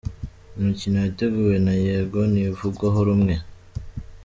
Imikino yateguwe na Yego ntivugwaho rumwe